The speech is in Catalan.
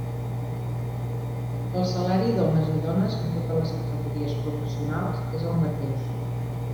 El salari d'hòmens i dones en totes les categories professionals és el mateix.